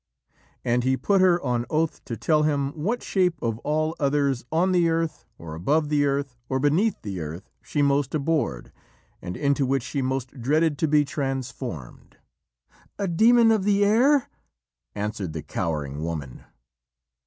And he put her on oath to tell him "what shape of all others, on the earth, or above the earth, or beneath the earth, she most abhorred, and into which she most dreaded to be transformed." "A demon of the air," answered the cowering woman.